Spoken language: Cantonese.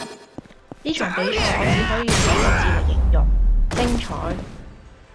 呢場比賽我只可以用一個字黎形容,精采